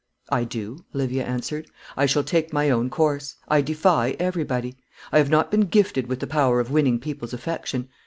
"I do," Olivia answered. "I shall take my own course. I defy everybody. I have not been gifted with the power of winning people's affection.